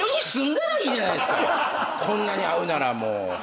こんなに会うならもう。